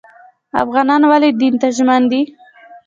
افغانان ولې دین ته ژمن دي؟